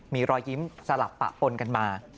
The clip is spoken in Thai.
มีรอยยิ้มสลับปะปนกันมา